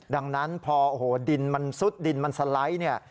ดังนั้นพอโอ้โหดินมันซุดดินมันสไลด์เนี่ย